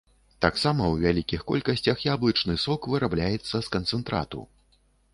Таксама ў вялікіх колькасцях яблычны сок вырабляецца з канцэнтрату.